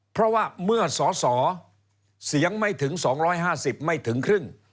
เพราะว่าเมื่อสอสอเสียงไม่ถึง๒๕๐ไม่ถึงครึ่ง